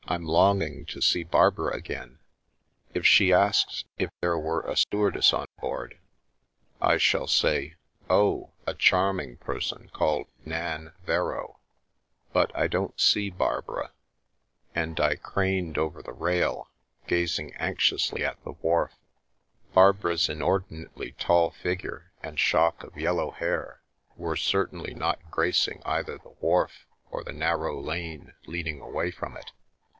I'm longing to see Barbara agz If she asks if there were a stewardess on board, I si j! say, ' Oh ! a charming person called Nan Verrow !' 1 I don't see Barbara " 1 And I craned over the rail, gazing anxiously at wharf. Barbara's inordinately tall figure and shock r yellow hair were certainly not gracing either the wh f or the narrow lane leading away from it.